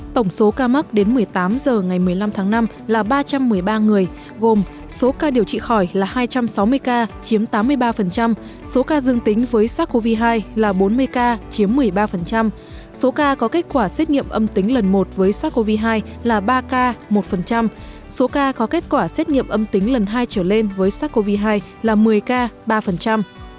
tổng số ca mắc đến một mươi tám h ngày một mươi năm tháng năm là ba trăm một mươi ba người gồm số ca điều trị khỏi là hai trăm sáu mươi ca chiếm tám mươi ba số ca dương tính với sars cov hai là bốn mươi ca chiếm một mươi ba số ca có kết quả xét nghiệm âm tính lần một với sars cov hai là ba ca một số ca có kết quả xét nghiệm âm tính lần hai trở lên với sars cov hai là một mươi ca ba